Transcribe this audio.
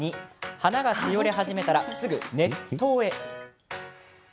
花がしおれ始めたら、すぐ熱湯へ。